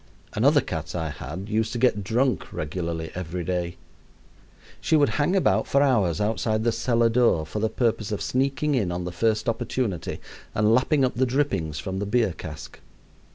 Another cat I had used to get drunk regularly every day. She would hang about for hours outside the cellar door for the purpose of sneaking in on the first opportunity and lapping up the drippings from the beer cask.